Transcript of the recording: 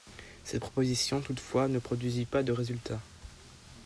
Cette proposition, toutefois, ne produisit pas de résultats.